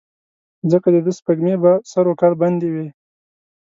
ځکه دده سپېږمې به سر وکال بندې وې.